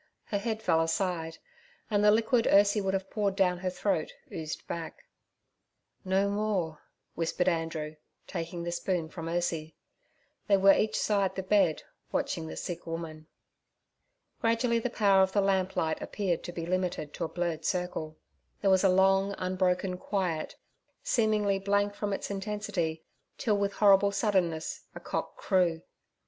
Her head fell aside, and the liquid Ursie would have poured down her throat oozed back. 'No more' whispered Andrew, taking the spoon from Ursie. They were each side the bed, watching the sick woman. Gradually the power of the lamplight appeared to be limited to a blurred circle. There was a long unbroken quiet, seemingly blank from its intensity, till with horrible suddenness a cock crew.